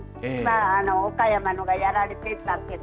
岡山の方がやられていましたけど